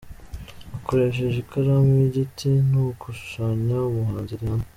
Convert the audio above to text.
Akoresheje ikaramu y'igiti, ni uku ashushanya umuhanzi Rihanna.